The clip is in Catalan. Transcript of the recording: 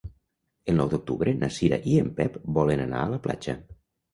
El nou d'octubre na Cira i en Pep volen anar a la platja.